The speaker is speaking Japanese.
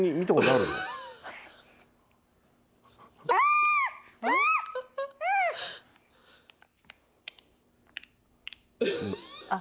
ああ！